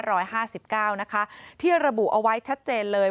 ร้อยห้าสิบเก้านะคะที่ระบุเอาไว้ชัดเจนเลย